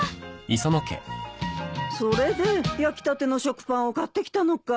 それで焼きたての食パンを買ってきたのかい。